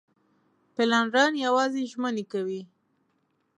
پلانران یوازې ژمنې کوي.